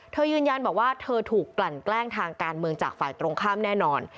ยืนยันบอกว่าเธอถูกกลั่นแกล้งทางการเมืองจากฝ่ายตรงข้ามแน่นอน